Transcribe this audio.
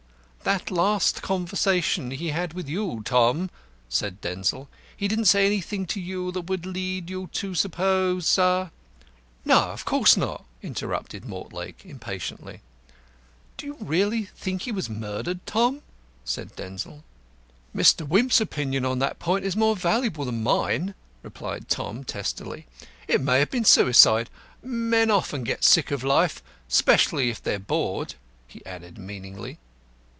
"That last conversation he had with you, Tom," said Denzil. "He didn't say anything to you that would lead you to suppose " "No, of course not!" interrupted Mortlake, impatiently. "Do you really think he was murdered, Tom?" said Denzil. "Mr. Wimp's opinion on that point is more valuable than mine," replied Tom, testily. "It may have been suicide. Men often get sick of life especially if they are bored," he added meaningly.